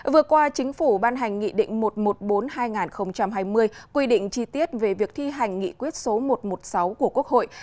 vừa qua chính phủ ban hành nghị định một trăm một mươi bốn hai nghìn hai mươi quy định chi tiết về việc thi hành nghị quyết số một trăm một mươi sáu của quốc hội